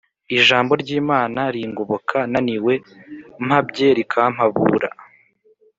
Ijambo ry’Imana ringoboka naniwe mpabye rikampabura